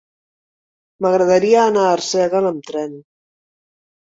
M'agradaria anar a Arsèguel amb tren.